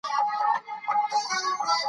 د امیر کروړ شعر ژبه ډېره سلیسه او روانه ده.